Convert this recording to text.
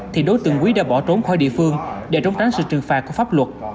thì đối tượng quý đã bỏ trốn khỏi địa phương để trốn tránh sự trừng phạt của pháp luật